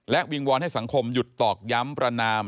วิงวอนให้สังคมหยุดตอกย้ำประนาม